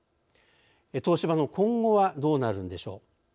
東芝の今後はどうなるのでしょう。